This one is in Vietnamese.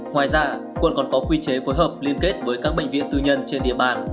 ngoài ra quận còn có quy chế phối hợp liên kết với các bệnh viện tư nhân trên địa bàn